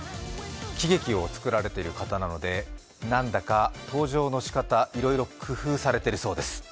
喜劇を作られている方なので、なんだか登場のしかた、いろいろ工夫されてるそうです。